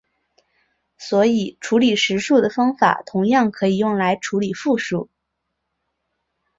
所以处理实数的方法同样可以用来处理复数。